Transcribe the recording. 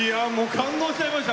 感動しちゃいました。